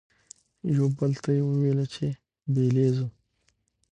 یوه بل ته یې ویله چي بیلیږو